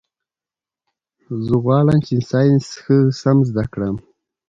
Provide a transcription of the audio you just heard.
زه غواړم چي ساینس ښه سم زده کړم.